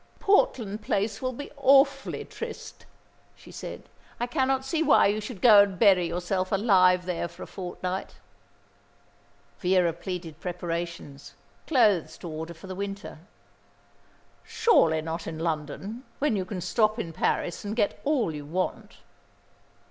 "Portland Place will be awfully triste," she said; "I cannot see why you should go and bury yourself alive there for a fortnight." Vera pleaded preparations clothes to order for the winter. "Surely not in London, when you can stop in Paris and get all you want."